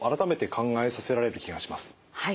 はい。